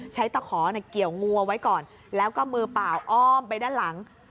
ใช้ตะคอเกี่ยวงัวไว้ก่อนแล้วมือเปล่าอ้อมไปด้านหลัง